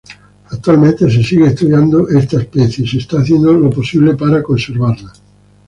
Actualmente se sigue estudiando esta especie y se está haciendo lo posible para conservarla.